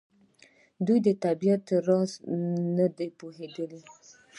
دوی د طبیعت په راز نه دي پوهېدلي.